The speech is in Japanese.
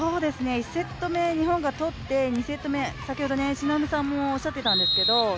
１セット目、日本が取って、２セット目、先ほど新鍋さんもおっしゃっていたんですけど